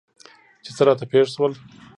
چې څه راته راپېښ شول؟